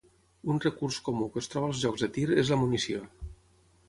Un recurs comú que es troba als jocs de tir es la munició.